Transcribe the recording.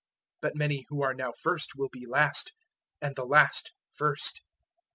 010:031 But many who are now first will be last, and the last, first."